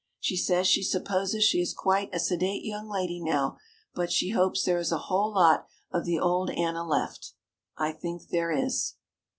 She says she supposes she is quite a sedate young lady now but she hopes there is a whole lot of the old Anna left. I think there is.